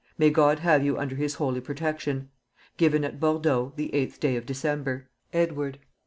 "May God have you under his holy protection. "Given at Bordeaux, the eighth day of December. "EDWARD."